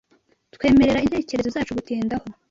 twemerera intekerezo zacu gutindaho